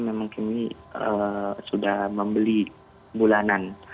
memang kami sudah membeli bulanan